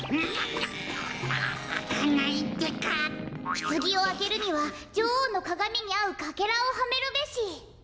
「ひつぎをあけるにはじょおうのかがみにあうかけらをはめるべし」。